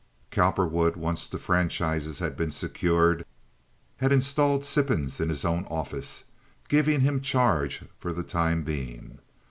Cowperwood, once the franchises had been secured, had installed Sippens in his own office, giving him charge for the time being.